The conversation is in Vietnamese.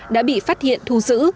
đã bị phát hiện thu giữ